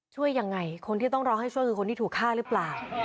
ช่วยยังไงคนที่ต้องรอให้ช่วยคือคนที่ถูกฆ่าหรือเปล่า